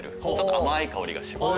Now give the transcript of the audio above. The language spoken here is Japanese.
甘い香りがします。